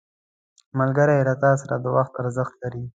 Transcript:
ملګری له تا سره د وخت ارزښت لري